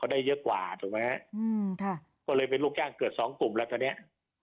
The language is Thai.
ได้เยอะกว่าถูกไหมฮะอืมค่ะก็เลยเป็นลูกจ้างเกือบสองกลุ่มแล้วตอนเนี้ย